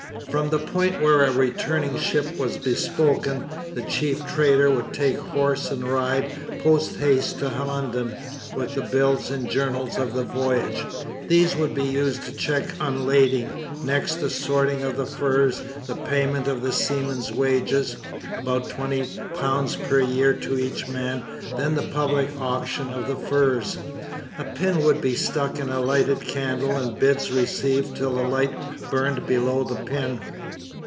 From the point where a returning ship was 'bespoken' the chief trader would take horse and ride post haste to London with the bills and journals of the voyage. These would be used to check unlading. Next, the sorting of the furs, the payment of the seamen's wages about £20 per year to each man; then the public auction of the furs. A pin would be stuck in a lighted candle and bids received till the light burnt below the pin.